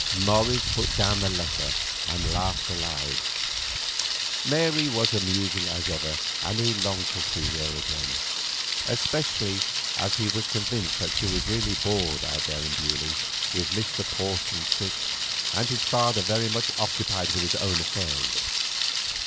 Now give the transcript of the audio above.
Morris put down the letter and laughed aloud. Mary was as amusing as ever, and he longed to see her again, especially as he was convinced that she was really bored out there at Beaulieu, with Mr. Porson sick, and his father very much occupied with his own affairs.